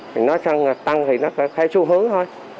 thì nói chung là tăng thì nó phải khai xu hướng thôi